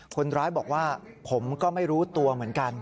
คนร้ายบอกว่าผมก็ไม่รู้ตัวเหมือนกัน